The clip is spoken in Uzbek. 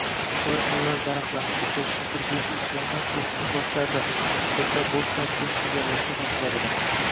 Ular mevali daraxtlarni kesish, shakl berish ishlarini hutning boshlarida, kurtaklar boʻrtmay turib tugallashga shoshiladilar.